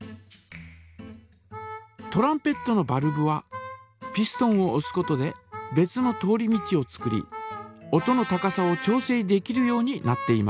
トランペットのバルブはピストンをおすことで別の通り道を作り音の高さを調整できるようになっています。